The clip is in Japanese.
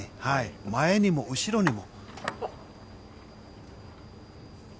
前にも、後ろにも。